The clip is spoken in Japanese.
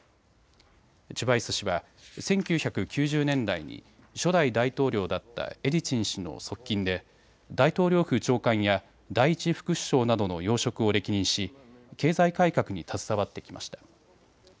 チュバイス氏は１９９０年代に初代大統領だったエリツィン氏の側近で大統領府長官や第１副首相などの要職を歴任し経済改革に携わってきました。